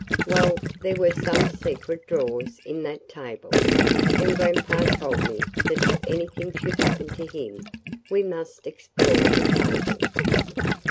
Well, there were some secret drawers in that table, and grandpa told me that if anything should happen to him we must explore the table.